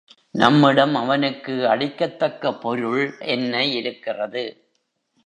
நம்மிடம் அவனுக்கு அளிக்கத் தக்க பொருள் என்ன இருக்கிறது?